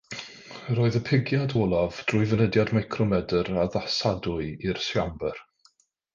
Roedd y pigiad olaf drwy fynediad micromedr addasadwy i'r siambr.